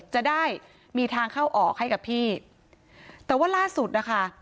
จะได้มีทางเข้าออกให้กับพี่แต่ว่าล่าสุดนะคะ